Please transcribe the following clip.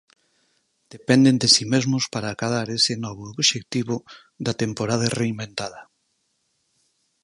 Dependen de si mesmos para acadar ese novo obxectivo da temporada reinventada.